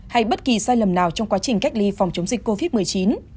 hay bất kỳ sai lầm nào trong quá trình cách ly phòng chống dịch covid một mươi chín